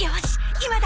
今だ！